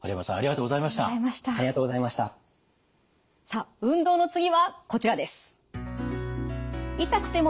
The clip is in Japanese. さあ運動の次はこちらです。